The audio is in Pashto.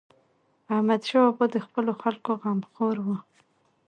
احمدشاه بابا د خپلو خلکو غمخور و.